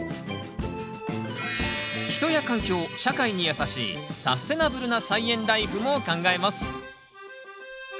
人や環境・社会にやさしいサステナブルな菜園ライフも考えます。